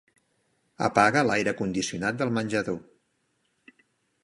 Apaga l'aire condicionat del menjador.